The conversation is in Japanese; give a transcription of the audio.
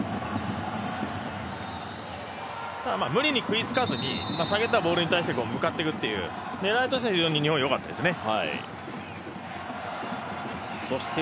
無理に食いつかずに先に行ったボールに向かっていくという狙いとしては非常に日本、よかったですね。